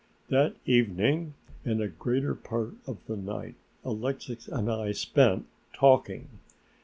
That evening and the greater part of the night Alexix and I spent talking.